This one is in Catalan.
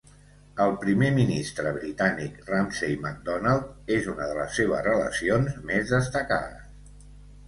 El primer ministre britànic Ramsay MacDonald és una de les seves relacions més destacades.